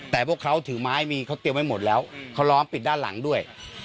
แต่พวกเขาถือไม้มีเขาเตรียมไว้หมดแล้วเขาล้อมปิดด้านหลังด้วย